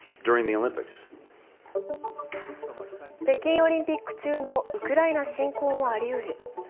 北京オリンピック中のウクライナ侵攻もありうる。